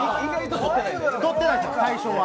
取ってないんですよ、最初は。